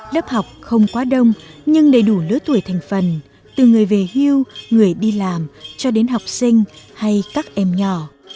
lớp học không quá đông nhưng đầy đủ lứa tuổi thành phần từ người về hưu người đi làm cho đến học sinh hay các em nhỏ